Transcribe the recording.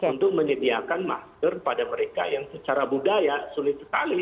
untuk menyediakan masker pada mereka yang secara budaya sulit sekali